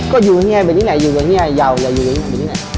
ก็อยู่กับเฮียแบบนี้แหละอยู่กับเฮียเยาวอย่าอยู่กับเฮียแบบนี้แหละ